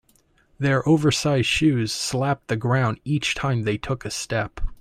Their oversized shoes slapped the ground each time they took a step.